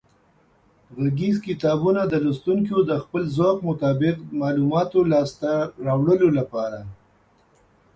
غږیز کتابونه د لوستونکو د خپل ذوق مطابق معلوماتو لاسته راوړلو لپاره